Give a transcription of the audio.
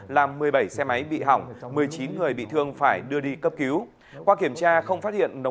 làm một mươi bảy xe máy bị hỏng một mươi chín người bị thương phải đưa đi cấp